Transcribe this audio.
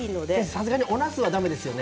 さすがになすはだめですかね。